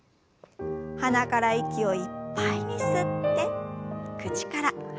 鼻から息をいっぱいに吸って口から吐きましょう。